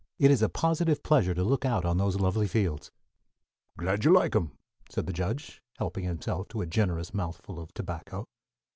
"It is a positive pleasure to look out on those lovely fields." "Glad you like 'em," said the judge, helping himself to a generous mouthful of tobacco.